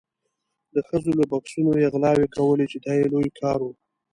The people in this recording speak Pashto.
د ښځو له بکسونو یې غلاوې کولې چې دا یې لوی کار و.